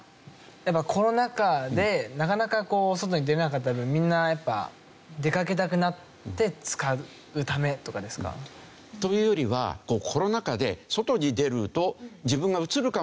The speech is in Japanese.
やっぱコロナ禍でなかなか外に出れなかった分みんな出かけたくなって使うためとかですか？というよりはコロナ禍で外に出ると自分がうつるかもしれない。